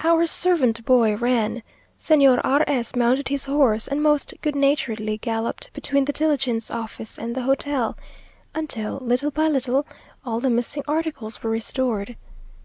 Our servant boy ran Señor R s mounted his horse, and most good naturedly galloped between the diligence office and the hotel, until, little by little, all the missing articles were restored.